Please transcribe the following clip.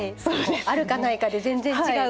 あるかないかで全然違うから。